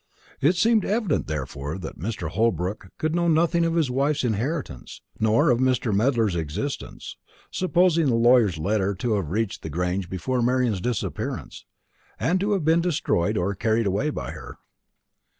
It seemed evident, therefore, that Mr. Holbrook could know nothing of his wife's inheritance, nor of Mr. Medler's existence, supposing the lawyer's letter to have reached the Grange before Marian's disappearance, and to have been destroyed or carried away by her.